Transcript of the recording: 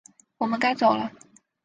我们该走了